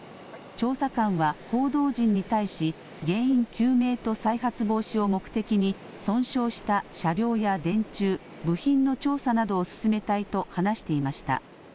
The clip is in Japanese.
調査官は報道陣に対し、原因究明と再発防止を目的に、損傷した車両や電柱、部品の調査などを進めたいと話していました。